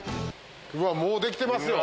うわもうできてますよ。